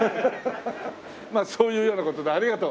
まあそういうような事でありがとう。